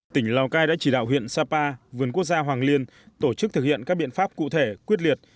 tỉnh lào cai đã chỉ đạo huyện sapa vườn quốc gia hoàng liên tổ chức thực hiện các biện pháp cụ thể quyết liệt